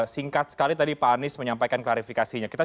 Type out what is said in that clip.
singkat sekali tadi pak anies menyampaikan klarifikasinya